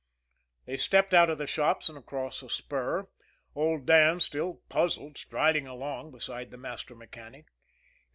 They stepped out of the shops, and across a spur old Dan, still puzzled, striding along beside the master mechanic.